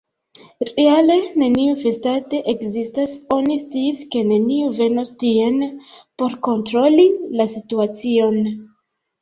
Reale neniu festado ekzistas: oni sciis, ke neniu venos tien por kontroli la situacion.